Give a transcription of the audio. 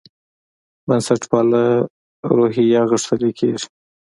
بنسټپاله روحیه غښتلې کېږي.